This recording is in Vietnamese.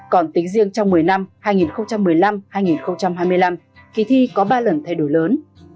còn tính riêng trong một mươi năm hai nghìn một mươi năm hai nghìn hai mươi năm kỳ thi có ba lần thay đổi lớn